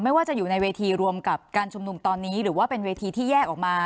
ว่าจะอยู่ในเวทีรวมกับการชุมนุมตอนนี้หรือว่าเป็นเวทีที่แยกออกมา